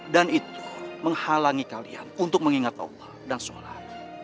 dan itu menghalangi kalian untuk mengingat allah dan sholat